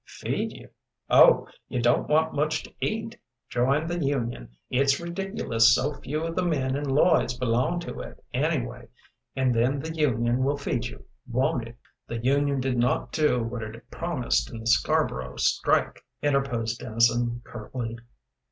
"Feed you? Oh, you don't want much to eat. Join the union. It's ridiculous so few of the men in Lloyd's belong to it, anyway; and then the union will feed you, won't it?" "The union did not do what it promised in the Scarboro strike," interposed Dennison, curtly.